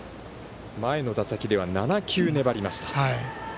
前の打席では７球、粘りました。